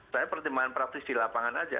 saya pertimbangan praktis di lapangan aja